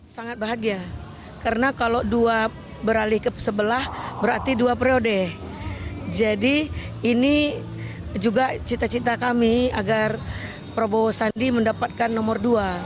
sangat bahagia karena kalau dua beralih ke sebelah berarti dua periode jadi ini juga cita cita kami agar prabowo sandi mendapatkan nomor dua